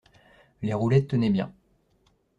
Les roulettes tenaient bien.